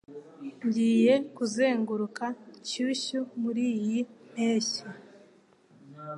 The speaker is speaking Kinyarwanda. Ngiye kuzenguruka Kyushu muriyi mpeshyi.